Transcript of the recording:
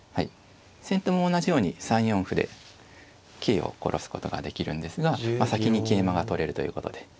先手も同じように３四歩で桂を殺すことができるんですが先に桂馬が取れるということで。